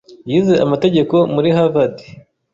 Yize amategeko muri Harvard.